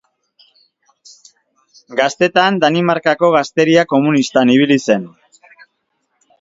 Gaztetan Danimarkako Gazteria Komunistan ibili zen.